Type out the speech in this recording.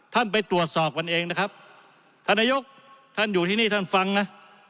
ท่านไปตรวจสอบกันเองนะครับท่านนายกท่านอยู่ที่นี่ท่านฟังนะ